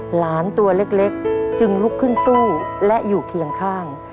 หลานตัวเล็กจึงลุกขึ้นสู้และอยู่เคียงข้าง